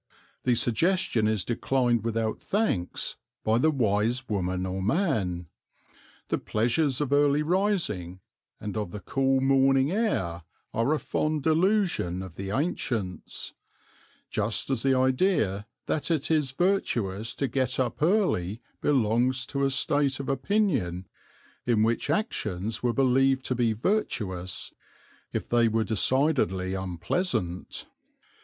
The suggestion is declined without thanks by the wise woman or man. The pleasures of early rising and of the cool morning air are a fond delusion of the ancients; just as the idea that it is virtuous to get up early belongs to a state of opinion in which actions were believed to be virtuous if they were decidedly unpleasant.